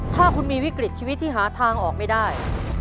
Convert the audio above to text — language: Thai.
ถ้าคุณมีวิกฤตชีวิตที่หาทางออกไม่ได้